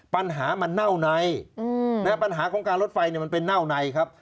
ปัญหามันเน่าในปัญหาของการลดไฟมันเป็นเน่าในครับ